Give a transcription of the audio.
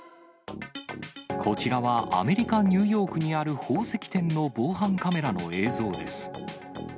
こちらはアメリカ・ニューヨークにある宝石店の防犯カメラの映像です。